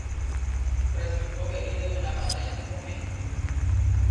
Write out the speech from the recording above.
Resultó herido en la batalla de Fomento.